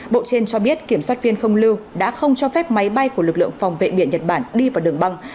bộ trên cho biết kiểm soát viên không lưu đã không cho phép máy bay của lực lượng phòng vệ biển nhật bản đi vào đường băng